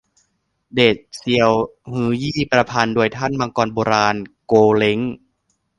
เดชเซียวฮื่อยี้ ประพันธ์โดยท่านมังกรโบราณ โกวเล้ง